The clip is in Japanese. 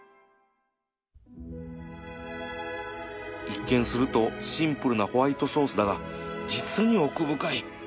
一見するとシンプルなホワイトソースだが実に奥深い